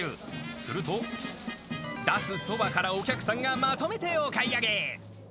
すると、出すそばから、お客さんがまとめてお買い上げ。